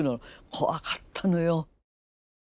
怖かったのよ。